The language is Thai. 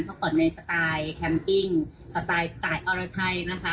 เท่าก่อนในสไตล์แคมป์กิ้งสไตล์อรไทยนะคะ